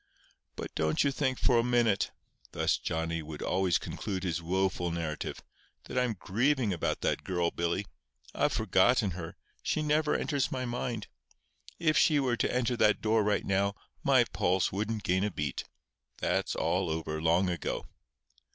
"But don't you think for a minute"—thus Johnny would always conclude his woeful narrative—"that I'm grieving about that girl, Billy. I've forgotten her. She never enters my mind. If she were to enter that door right now, my pulse wouldn't gain a beat. That's all over long ago."